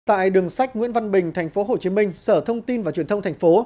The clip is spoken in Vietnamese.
tại đường sách nguyễn văn bình thành phố hồ chí minh sở thông tin và truyền thông thành phố